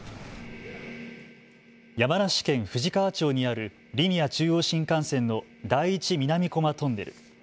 山梨県富士川町にあるリニア中央新幹線の第一南巨摩トンネル。